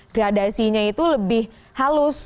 gradasinya itu lebih halus